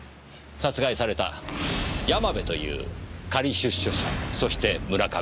殺害された山部という仮出所者そして村上。